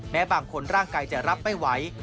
บางคนร่างกายจะรับไม่ไหว